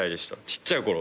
ちっちゃい頃。